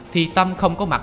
thì tâm không có mặt